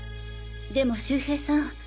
でも周平さん